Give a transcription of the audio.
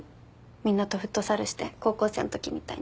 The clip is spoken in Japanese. みんなとフットサルして高校生のときみたいに。